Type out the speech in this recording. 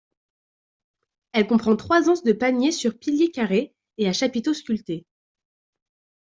Elle comprend trois anses de panier sur piliers carrés et à chapiteaux sculptés.